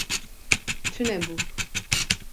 Tunebû